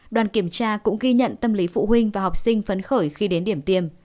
đoàn kiểm tra cũng ghi nhận tâm lý phụ huynh và học sinh phấn khởi khi đến điểm tiêm